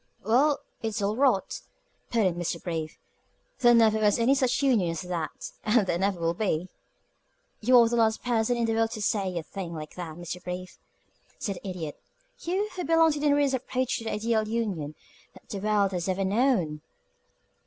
"Well, it's all rot!" put in Mr. Brief. "There never was any such union as that, and there never will be." "You are the last person in the world to say a thing like that, Mr. Brief," said the Idiot "you, who belong to the nearest approach to the ideal union that the world has ever known!"